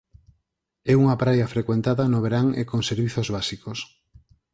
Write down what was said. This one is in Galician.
É unha praia frecuentada no verán e con servizos básicos.